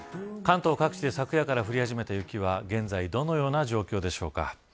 関東各地で昨夜から降り始めた雪は現在どのような状況でしょうか。